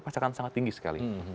pasti akan sangat tinggi sekali